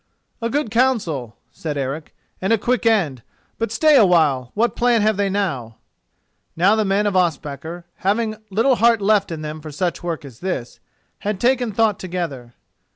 "A good counsel," said Eric, "and a quick end; but stay a while: what plan have they now?" Now the men of Ospakar, having little heart left in them for such work as this, had taken thought together.